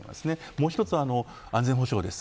もう一つは、安全保障です。